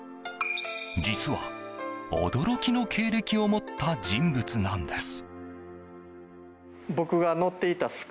実は驚きの経歴を持った人物なんです。